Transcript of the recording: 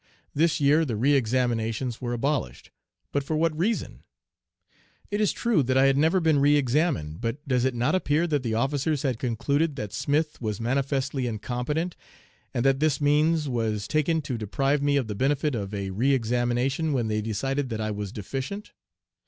This year the re examinations were abolished; but for what reason? It is true that I had never been re examined, but does it not appear that the officers had concluded 'that Smith was manifestly incompetent,' and that this means was taken to deprive me of the benefit of a re examination when they decided that I was 'deficient?'